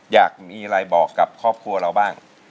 อยากมีอะไรบอกกับครอบครัวเราบ้าง